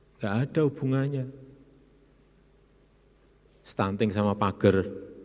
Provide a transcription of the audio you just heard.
nggak ada hubungannya stunting sama pagar